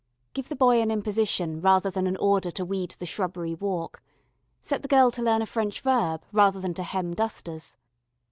Give the boy an imposition rather than an order to weed the shrubbery walk; set the girl to learn a French verb rather than to hem dusters.